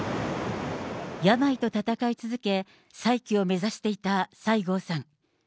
病と闘い続け、再起を目指していた西郷さん。